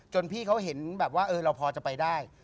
จนเห็นรับว่าเราพอแล้วจะไปได้